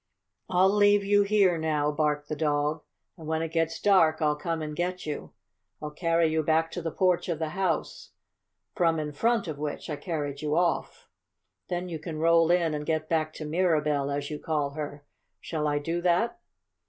"Ill leave you here now," barked the dog, "and when it gets dark I'll come and get you. I'll carry you back to the porch of the house, from in front of which I carried you off. Then you can roll in and get back to Mirabell, as you call her. Shall I do that?"